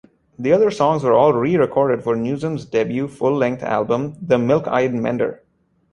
The other songs were all re-recorded for Newsom's debut full-length album "The Milk-Eyed Mender".